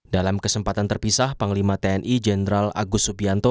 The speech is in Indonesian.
dalam kesempatan terpisah panglima tni jenderal agus subianto